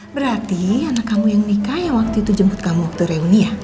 berarti anak kamu yang nikah yang waktu itu jemput kamu waktu reunia